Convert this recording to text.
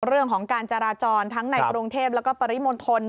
เรื่องของการจราจรทั้งในกรุงเทพแล้วก็ปริมณฑล